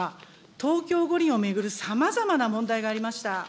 東京五輪を巡るさまざまな問題がありました。